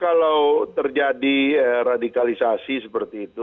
kalau terjadi radikalisasi seperti itu